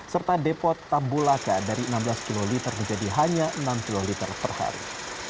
serta depot tabulaca dari enam belas kiloliter menjadi hanya enam kiloliter per hari